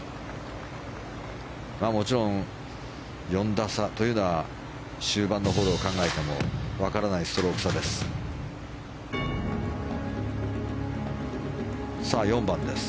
もちろん、４打差というのは終盤のことを考えてもわからないストローク差です。